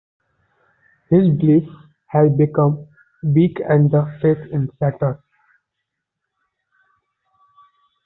His belief has become weak and the faith is shattered.